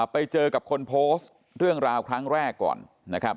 ไปเจอกับคนโพสต์เรื่องราวครั้งแรกก่อนนะครับ